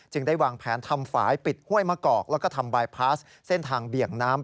ได้วางแผนทำฝ่ายปิดห้วยมะกอกแล้วก็ทำบายพาสเส้นทางเบี่ยงน้ำ